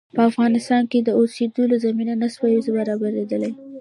په افغانستان کې د اوسېدلو زمینه نه سوای برابرېدلای.